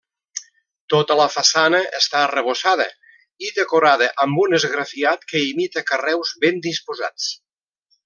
Tota la façana està arrebossada i decorada amb un esgrafiat que imita carreus ben disposats.